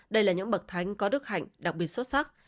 đây là những bậc thanh có đức hành đặc biệt xuất sắc